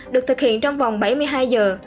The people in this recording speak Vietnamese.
được thực hiện trong vòng bảy mươi hai giờ